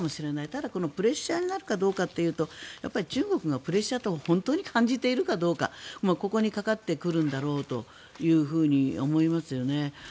ただ、プレッシャーになるかどうかというと中国がプレッシャーと本当に感じているかどうかここにかかってくるんだろうというふうに思いますよね。